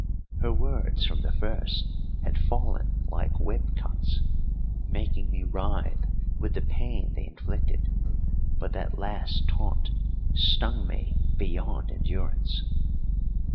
Her words from the first had fallen like whip cuts, making me writhe with the pain they inflicted; but that last taunt stung me beyond endurance.